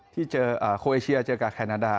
ที่โควิดเชียร์เจอกับแคนโนดา